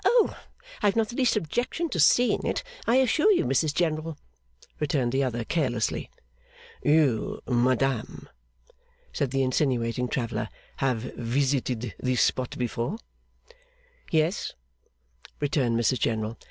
I have not the least objection to seeing it, I assure you, Mrs General,' returned the other, carelessly. 'You, madam,' said the insinuating traveller, 'have visited this spot before?' 'Yes,' returned Mrs General.